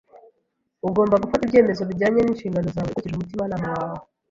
Ugomba gufata ibyemezo bijyanye n'inshingano zawe ukurikije umutimanama wawe